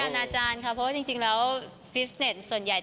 นานาจารย์ค่ะเพราะว่าจริงแล้วฟิสเน็ตส่วนใหญ่